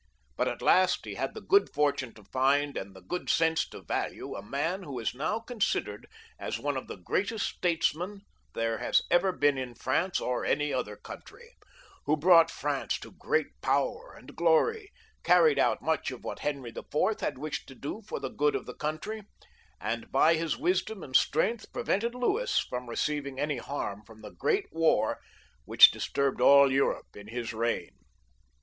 But at last he had the good fortune to find, and the good sense to value, a man who is now considered as one of the greatest statesmen there has ever been in France or any other country ; who brought France to great power and glory, carried out much of what Henry IV. had wished to do for the good of the country, and by his wisdom and strength prevented Louis from receiving any harm from the great war which disturbed aU Europe in this reign.